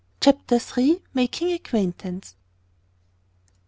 CHAPTER THREE. MAKING ACQUAINTANCE.